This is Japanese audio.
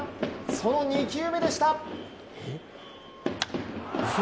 その２球目でした！